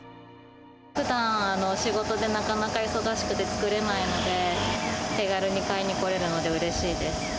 ふだん、仕事でなかなか忙しくて作れないので、手軽に買いに来れるので、うれしいです。